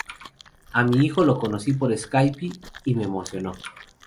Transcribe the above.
A mi hijo lo conocí por Skype y me emocionó.